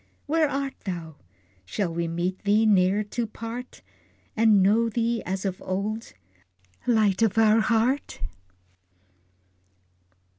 Where art thou? Shall we meet thee ne'er to part, And know thee as of old Light of our heart?